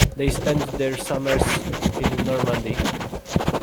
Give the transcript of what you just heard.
They spent their summers in Normandy.